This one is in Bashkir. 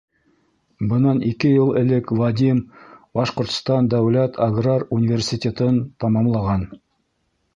Бынан ике йыл элек Вадим Башҡортостан дәүләт аграр университетын тамамлаған.